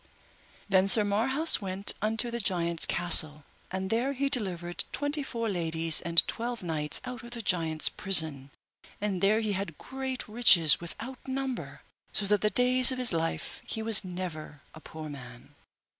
Then Sir Marhaus went unto the giant's castle, and there he delivered twenty four ladies and twelve knights out of the giant's prison, and there he had great riches without number, so that the days of his life he was never poor man.